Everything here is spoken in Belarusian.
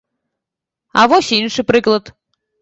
А вось іншы прыклад.